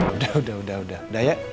udah udah udah udah ya